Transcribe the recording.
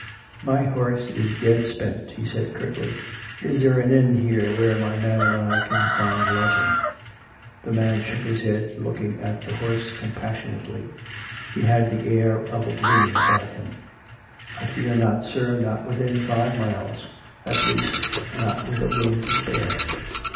" My horse is dead spent," he said curtly. " Is there an inn here where my man and I can find lodging? " The man shook his head, looking at the horse compas sionately. He had the air of a groom about him. " I fear not, sir, not within five miles ; at least, not with a room to spare."